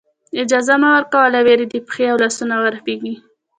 اجازه مه ورکوه له وېرې دې پښې او لاسونه ورپېږي.